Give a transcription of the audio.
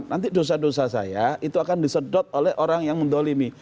nanti dosa dosa saya itu akan disedot oleh orang yang mendolimi